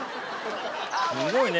すごいね！